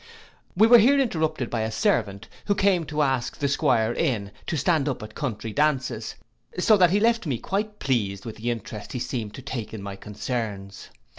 We were here interrupted by a servant, who came to ask the 'Squire in, to stand up at country dances; so that he left me quite pleased with the interest he seemed to take in my concerns.